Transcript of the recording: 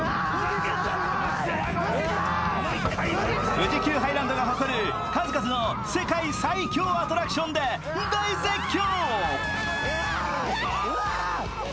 富士急ハイランドが誇る、数々の世界最狂アトラクションで大絶叫。